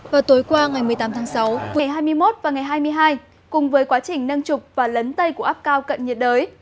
vào tối qua ngày một mươi tám tháng sáu ngày hai mươi một và ngày hai mươi hai cùng với quá trình nâng trục và lấn tây của áp cao cận nhiệt đới